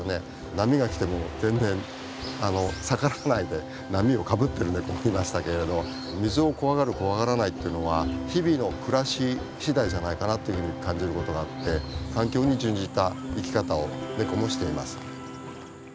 波が来ても全然下がらないで波をかぶっているネコもいましたけれど水を怖がる怖がらないってのは日々の暮らし次第じゃないかなっていうふうに感じることがあって環境に準じた生き方をネコもしています。